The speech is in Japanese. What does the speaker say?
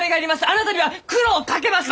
あなたには苦労をかけます！